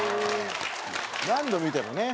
何度見てもね。